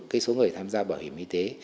cái số người tham gia bảo hiểm y tế